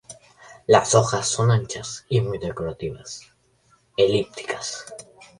Las hojas son anchas y muy decorativas, elípticas.